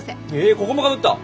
えここもかぶった！